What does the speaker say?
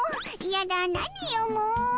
やだ何よもう。